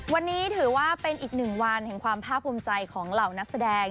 วันนี้ถือว่าเป็นอีกหนึ่งวันแห่งความภาคภูมิใจของเหล่านักแสดง